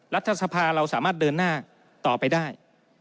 รัฐสภาเราสามารถเดินหน้าต่อไปได้